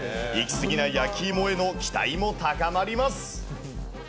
いきすぎな焼きいもへの期待も高まります。